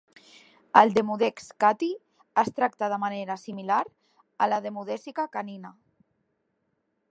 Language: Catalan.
El "Demodex cati" es tracta de manera similar a la demodècica canina.